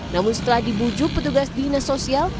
namun setelah dibujuk petugas dinasosial